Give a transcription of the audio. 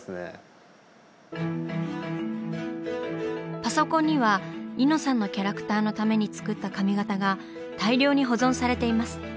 パソコンには「イノサン」のキャラクターのために作った髪型が大量に保存されています。